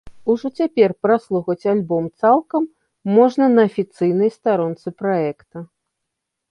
Ужо цяпер праслухаць альбом цалкам можна на афіцыйнай старонцы праекта.